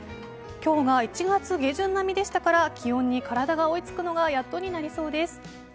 今日が１月下旬並みでしたから気温に体が追いつくのがやっとになりそうです。